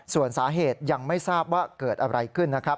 ส่วนสาเหตุยังไม่ทราบว่าเกิดอะไรขึ้นนะครับ